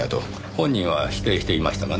本人は否定していましたがね。